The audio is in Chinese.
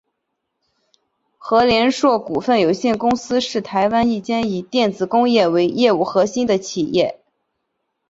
禾联硕股份有限公司是台湾一间以电子工业为业务核心的企业。